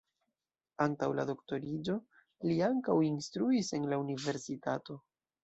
Antaŭ la doktoriĝo li ankaŭ instruis en la universitato.